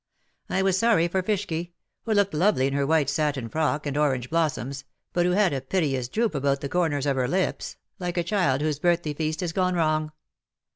I was sorry for Fishky, who looked lovely in her white satin frock and orange blossoms, but who had a piteous droop about the corners of her lips, like a child whose birthday feast has gone wrong.